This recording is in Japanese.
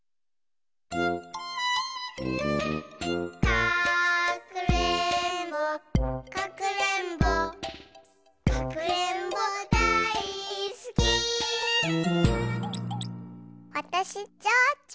「かくれんぼかくれんぼかくれんぼだいすき」わたしちょうちょ。